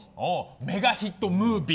メガヒットムービー。